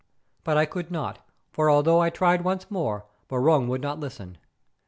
But I could not, for although I tried once more, Barung would not listen.